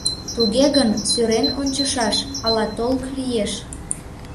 Туге гын, сӧрен ончышаш: ала толк лиеш.